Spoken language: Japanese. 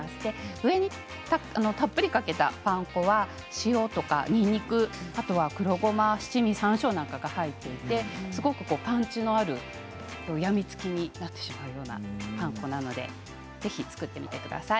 上にたっぷりかけたパン粉は塩とか、にんにくあとは黒ごま、七味さんしょうなどが入っていてすごくパンチのある病みつきになってしまうようなパン粉なのでぜひ作ってみてください。